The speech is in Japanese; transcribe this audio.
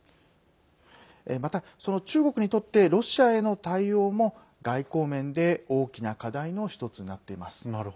また、その中国にとってロシアへの対応も外交面で大きな課題の１つになっています。